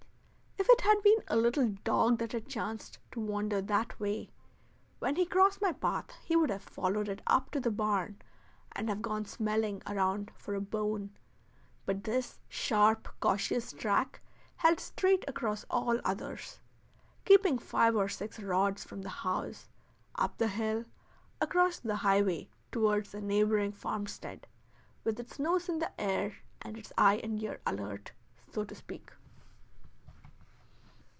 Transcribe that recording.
If it had been a little dog that had chanced to wander that way, when he crossed my path he would have followed it up to the barn and have gone smelling around for a bone; but this sharp, cautious track held straight across all others, keeping five or six rods from the house, up the hill, across the highway towards a neighboring farmstead, with its nose in the air and its eye and ear alert, so to speak.